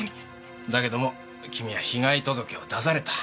だけども君は被害届を出された。